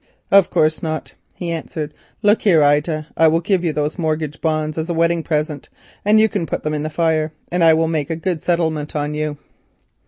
"Of course not," he answered. "Look here, Ida, I will give you those mortgage bonds as a wedding present, and you can put them in the fire; and I will make a good settlement on you."